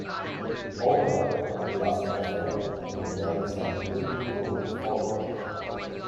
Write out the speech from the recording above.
Open up Last Fm and play me some Medieval Folk Rock